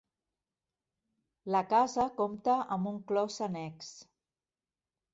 La casa compta amb un clos annex.